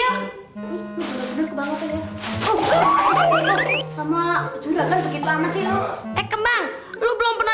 lo bener bener kebanget ya